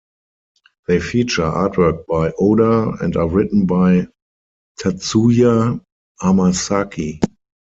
They feature artwork by Oda and are written by Tatsuya Hamasaki.